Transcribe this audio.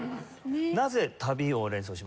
なぜ「旅」を連想しましたか？